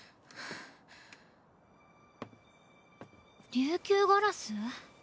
琉球ガラス？